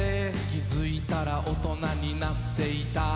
「気づいたら大人になっていた」